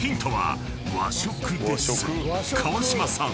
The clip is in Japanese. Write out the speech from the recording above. ［川島さん